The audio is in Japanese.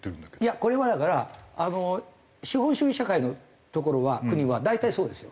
これはだから資本主義社会の所は国は大体そうですよ。